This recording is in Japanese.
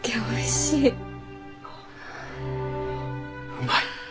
うまい。